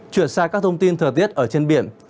chuyển sang các thông tin thời tiết ở trên biển